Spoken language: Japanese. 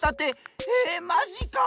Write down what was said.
えまじか！